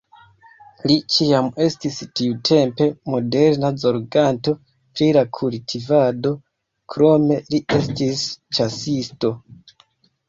Li ĉiam estis tiutempe moderna zorganto pri la kultivado, krome li estis ĉasisto.